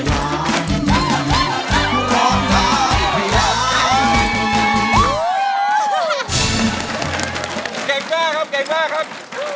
เก่งมากครับ